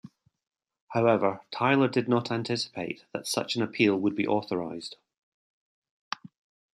However, Tyler did not anticipate that such an appeal would be authorized.